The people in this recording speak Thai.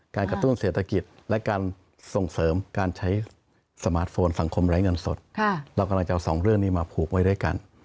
กระตุ้นเศรษฐกิจและการส่งเสริมการใช้สมาร์ทโฟนสังคมไร้เงินสดเรากำลังจะเอาสองเรื่องนี้มาผูกไว้ด้วยกัน